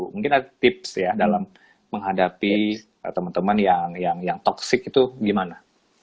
mungkin ada tips ya dalam menghadapi teman teman yang toxic itu gimana